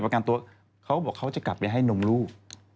เขาก็บอกเขาจะกลับไปให้นมลูก